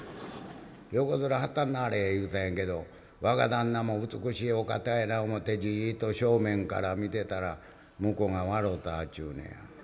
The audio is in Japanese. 「『横面張ったんなはれ』言うたんやけど若旦那も美しいお方やな思てジッと正面から見てたら向こうが笑うたちゅうねんや。